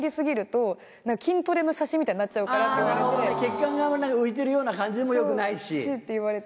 血管が浮いてるような感じでも良くないし。